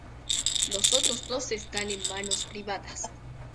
Los otros dos están en manos privadas.